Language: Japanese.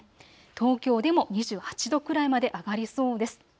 東京でも２８度くらいまで上がりそうです。